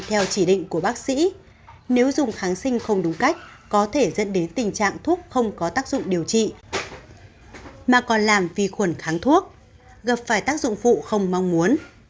theo chỉ định của bác sĩ nếu dùng kháng sinh không đúng cách có thể dẫn đến tình trạng thuốc không có tác dụng điều trị mà còn làm vi khuẩn kháng thuốc gặp phải tác dụng phụ không mong muốn